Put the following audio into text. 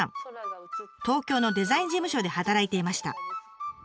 東京のデザイン事務所で働いていました。